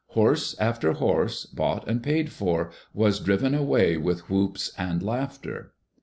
Horse after horse, bought and paid for, was driven away with whoops and laughter.